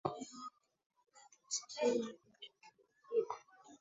Vijicho na upinzani ukazidi hasa Yerusalemu walipoanza kufanya njama za kumuua